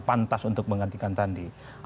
pantas untuk menggantikan sandi